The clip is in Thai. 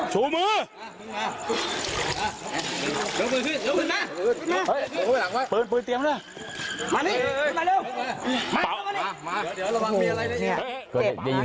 ใช่เหนื่อยสิหนีลงน้ำแล้วมาโดนสังกระศีบาดอีก